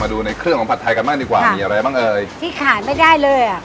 ดูในเครื่องของผัดไทยกันบ้างดีกว่ามีอะไรบ้างเอ่ยที่ขาดไม่ได้เลยอ่ะ